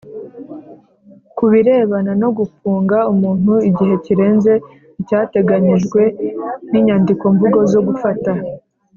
Ku birebana no gufunga umuntu igihe kirenze icyateganyijwe n inyandikomvugo zo gufata